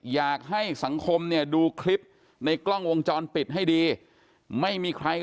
อยากให้สังคมเนี่ยดูคลิปในกล้องวงจรปิดให้ดีไม่มีใคร